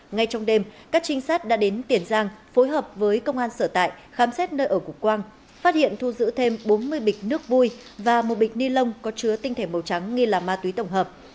ngay trong đêm các trinh sát đã đến tiền giang phối hợp với công an sở tại khám xét nơi ở cục quang phát hiện thu giữ thêm bốn mươi bịch nước vui và một bịch ni lông có chứa tinh thể màu trắng nghi là ma túy tổng hợp